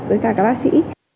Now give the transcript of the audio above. với cả các bác sĩ